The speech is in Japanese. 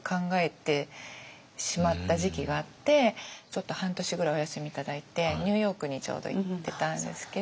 ちょっと半年ぐらいお休み頂いてニューヨークにちょうど行ってたんですけど。